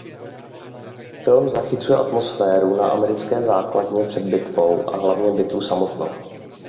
Film zachycuje atmosféru na americké základně před bitvou a hlavně bitvu samotnou.